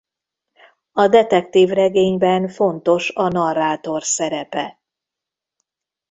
A detektívregényben fontos a narrátor szerepe.